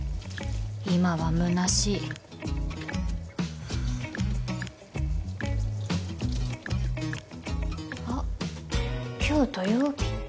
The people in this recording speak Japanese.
今はむなしいあっ今日土曜日。